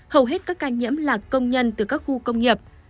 hầu hết các ca nhiễm là công nhân từ các khu công nghiệp